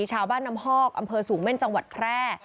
ชาวบ้านน้ำฮอกอำเภอสูงเม่นจังหวัดแพร่